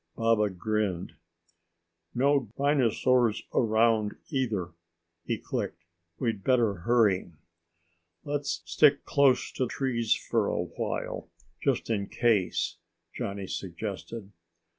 Baba grinned. "No rhinosaurs around either," he clicked. "We'd better hurry." "Let's stick close to trees for a while just in case," Johnny suggested.